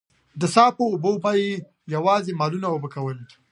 د څاه په اوبو به يې يواځې مالونه اوبه کول.